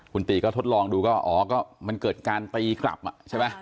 คุณตีก็ทดลองดูก็อ๋อก็มันเกิดการตีกลับใช่ไหม